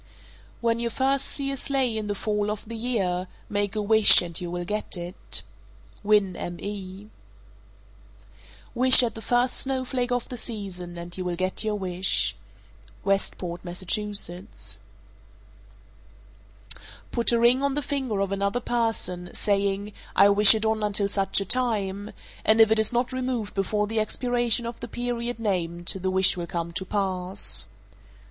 When you first see a sleigh in the fall of the year, make a wish, and you will get it. Winn, Me. 456. Wish at the first snowflake of the season, and you will get your wish. Westport, Mass. 457. Put a ring on the finger of another person, saying, "I wish it on until such a time," and if it is not removed before the expiration of the period named, the wish will come to pass.